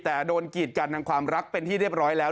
แต่โดนกีดกันทางความรักเป็นที่เรียบร้อยแล้ว